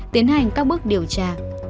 tiến hành các bước điều tra